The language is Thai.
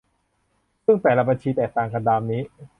ซึ่งแต่ละบัญชีแตกต่างกันตามนี้